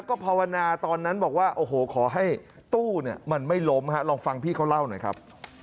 ก็ภาวนาตอนนั้นบอกว่าโอ้โหขอให้ตู้เนี่ยมันไม่ล้มฮะลองฟังพี่เขาเล่าหน่อยครับ